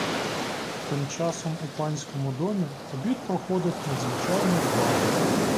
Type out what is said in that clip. Тим часом у панському домі обід проходив надзвичайно жваво.